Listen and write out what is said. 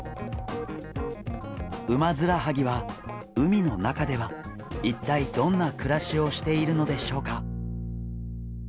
ウマヅラハギは海の中では一体どんな暮らしをしているのでしょうか？